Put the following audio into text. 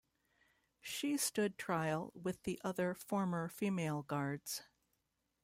She stood trial with the other former female guards.